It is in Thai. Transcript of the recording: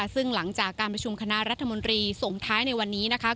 ซึ่งหลังจากการประชุมคณะรัฐมนตรีส่งท้ายในวันนี้นะคะ